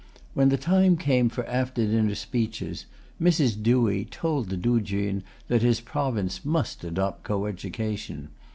When the time came for after dinner speeches, Mrs. Dewey told the Tuchun that his province must adopt co education.